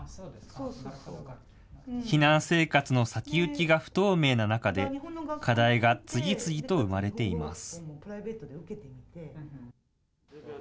避難生活の先行きが不透明な中で、課題が次々と生まれています。